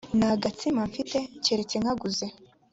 nta gatsima mfite keretse nkaguze